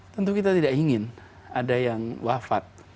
tentu kita tidak ingin ada yang wafat